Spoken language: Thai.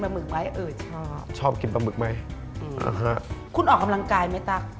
หมึกไหมเออชอบชอบกินปลาหมึกไหมอืมอ่าฮะคุณออกกำลังกายไหมตั๊ก